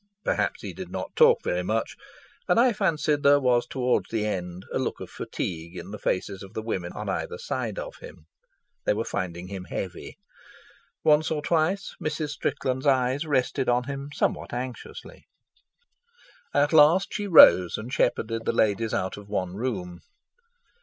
Perhaps he did not talk very much, and I fancied there was towards the end a look of fatigue in the faces of the women on either side of him. They were finding him heavy. Once or twice Mrs. Strickland's eyes rested on him somewhat anxiously. At last she rose and shepherded the ladies out of one room.